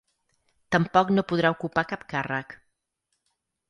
Tampoc no podrà ocupar cap càrrec.